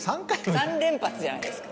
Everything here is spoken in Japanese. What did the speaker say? ３連発じゃないですか。